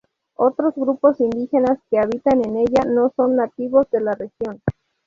Otros grupos indígenas que habitan en ella no son nativos de la región.